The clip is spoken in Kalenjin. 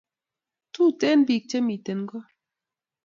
Tuten peeek che miten koo